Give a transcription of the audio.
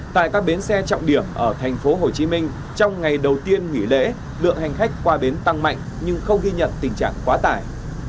tại các bến xe trọng điểm ở tp hcm trong ngày đầu tiên nghỉ lễ lượng hành khách qua bến tăng mạnh nhưng không ghi nhận tình trạng quá tải